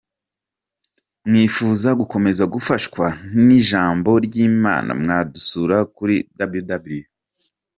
Mwifuza gukomeza gufashwa n’ijambo ry’Imana mwadusura kuri www.